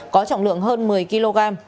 có trọng lượng hơn một mươi kg